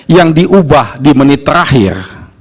yang diubah di menit terakhir